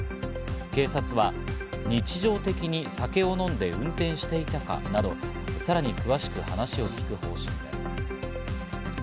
警察は日常的に酒を飲んで運転していたかなどさらに詳しく話を聞く方針です。